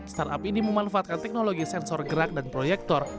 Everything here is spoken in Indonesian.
startup ini memanfaatkan teknologi sensor gerak dan proyektor